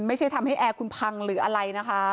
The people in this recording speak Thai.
ไม่ใช่ทำให้แอร์คุณพังหรืออะไรนะคะ